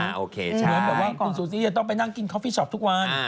เหมือนกับว่าคุณซูซี่จะต้องไปนั่งกินคอฟฟี่ช็อปทุกวัน